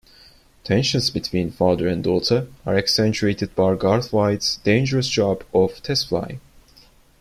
Tensions between father and daughter are accentuated by Garthwaite's dangerous job of test flying.